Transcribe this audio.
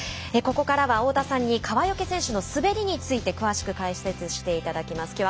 ここからは太田さんに川除選手の滑りについて詳しく解説していただきます。